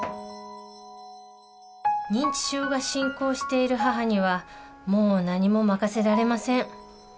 認知症が進行している母にはもう何もまかせられません。